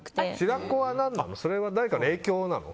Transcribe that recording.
白子は誰かの影響なの？